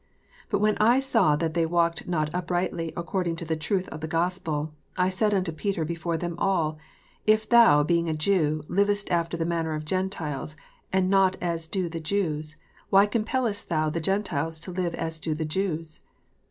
"But when I saw that they walked not uprightly according to the truth of the Gospel, I said unto Peter before them all, If thou, being a Jew, livest after the manner of Gentiles, and not as do the Jews, why com pellest thou the Gentiles to live as do the Jews